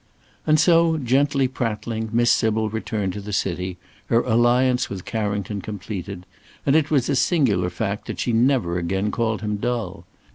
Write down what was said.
And so, gently prattling, Miss Sybil returned to the city, her alliance with Carrington completed; and it was a singular fact that she never again called him dull.